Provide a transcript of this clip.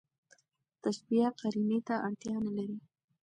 تشبېه قرينې ته اړتیا نه لري.